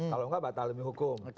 kalau enggak batal demi hukum